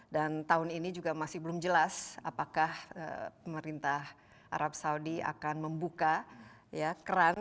dan tahun ini juga masih belum jelas apakah pemerintah arab saudi akan membuka kerang